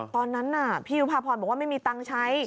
ตอนนั้นน่ะพี่ยุภาพรบอกว่าไม่มีตังค์ใช้